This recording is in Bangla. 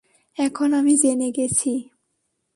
এখন আমি জেনে গেছি।